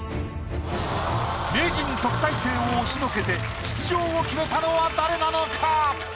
名人・特待生を押しのけて出場を決めたのは誰なのか？